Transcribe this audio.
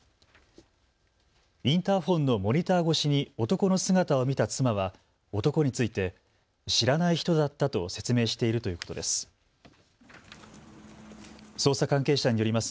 インターフォンのモニター越しに男の姿を見た妻は男について知らない人だったと説明しているということです。